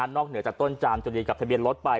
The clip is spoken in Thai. นอกเหนือจากต้นจามจริงกับทะเบียนลดไป